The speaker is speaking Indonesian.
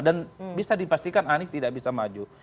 dan bisa dipastikan anies tidak bisa maju